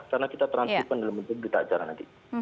karena kita transkripsi dalam bentuk kita ajaran nanti